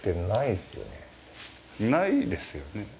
ないですよね。